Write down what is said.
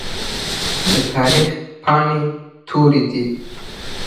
د تاريخ پاڼې تورې دي.